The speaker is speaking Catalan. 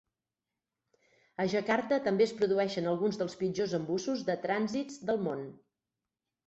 A Jakarta també es produeixen alguns dels pitjors embussos de trànsits del món.